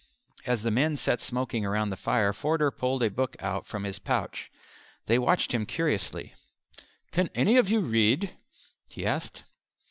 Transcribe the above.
As the men sat smoking round the fire Forder pulled a book out from his pouch. They watched him curiously. "Can any of you read?" he asked.